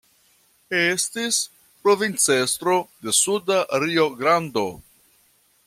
Estis provincestro de Suda Rio-Grando.